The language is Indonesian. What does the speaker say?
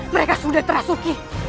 mereka sudah terasuki